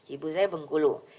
ibu saya bengkulu